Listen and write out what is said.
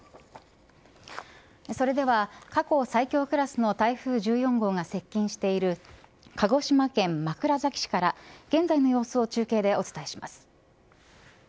それでは過去最強クラスの台風１４号が接近している鹿児島県枕崎市から現在の様子を中継でお伝えします。